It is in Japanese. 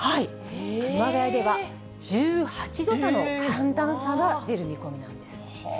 熊谷では１８度差の寒暖差が出る見込みなんです。